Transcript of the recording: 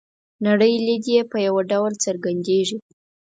نړۍ لید یې په یوه ډول څرګندیږي.